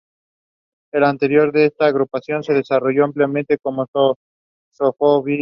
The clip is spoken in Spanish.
Al interior de esta agrupación se desarrolló ampliamente como saxofonista.